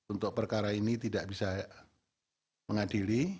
untuk perkara ini tidak bisa mengadili